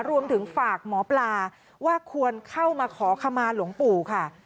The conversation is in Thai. รวมถึงฝากหมอปลาว่าควรเข้ามาขอขมาหลวงปู่ค่ะ